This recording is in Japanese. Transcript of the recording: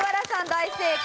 大正解。